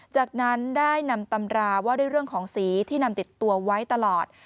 จากนั้นได้นำตำราว่าด้วยเรื่องของสีที่นำติดตัวไว้ตลอด